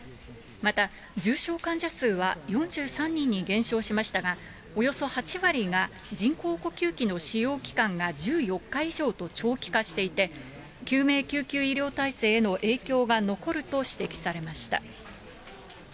また重症患者数は４３人に減少しましたが、およそ８割が、人工呼吸器の使用期間が１４日以上と長期化していて、救命救急医療体制への影響が残ると指摘されました。